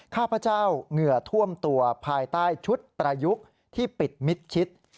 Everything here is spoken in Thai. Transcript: ข้าพเจ้าเหงื่อท่วมตัวภายใต้ชุดประยุกต์ที่ปิดมิดชิด